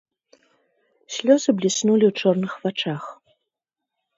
Слёзы бліснулі ў чорных вачах.